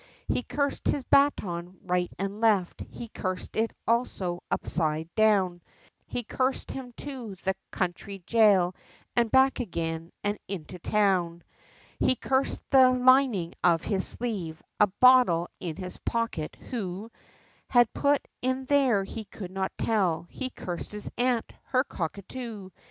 He cursed his baton right and left, he cursed it also upside down, He cursed him to the county gaol and back again, and into town. He cursed the lining of his sleeve, a bottle in his pocket who Had put it there he could not tell he cursed his aunt, her cockatoo.